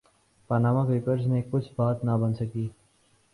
Panama papers میں کچھ بات نہ بن سکی۔